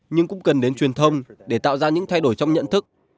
nhưng cũng cần đến truyền thông để tạo ra những thay đổi trong nhận thức